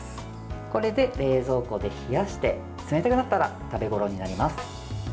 これで冷蔵庫で冷やして冷たくなったら食べ頃になります。